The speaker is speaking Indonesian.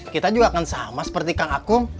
kita juga akan sama seperti kang akung